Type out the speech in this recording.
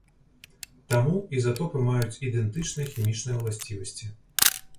Таму, ізатопы маюць ідэнтычныя хімічныя ўласцівасці.